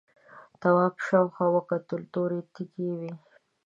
تواب شاوخوا وکتل تورې تیږې وې.